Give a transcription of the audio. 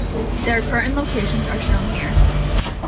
Their current locations are shown here.